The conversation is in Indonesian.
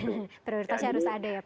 prioritasnya harus ada ya pak ya